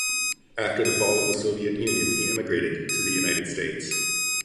After the fall of the Soviet Union, he emigrated to the United States.